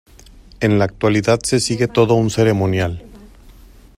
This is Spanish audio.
En la actualidad se sigue todo un ceremonial.